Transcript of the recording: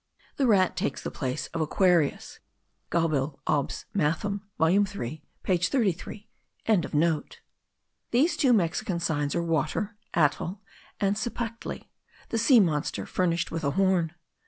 The Rat takes the place of Aquarius. Gaubil, Obs. Mathem. volume 3 page 33.) These two Mexican signs are Water (Atl) and Cipactli, the sea monster furnished with a horn.